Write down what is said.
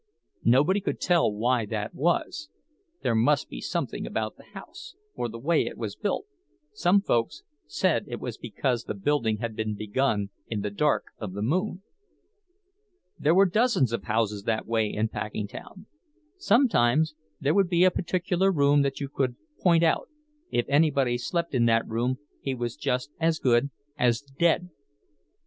Nobody could tell why that was; there must be something about the house, or the way it was built—some folks said it was because the building had been begun in the dark of the moon. There were dozens of houses that way in Packingtown. Sometimes there would be a particular room that you could point out—if anybody slept in that room he was just as good as dead.